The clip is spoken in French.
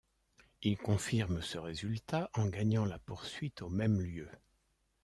Il confirme ce résultat en gagnant la poursuite au même lieu.